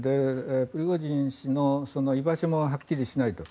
プリゴジン氏の居場所もはっきりしないと。